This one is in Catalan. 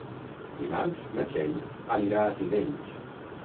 Dimarts na Txell anirà a Tivenys.